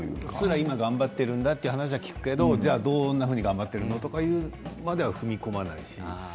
今、頑張っているんだという話は聞くけどどんなふうに頑張っているのというまでは踏み込まないし。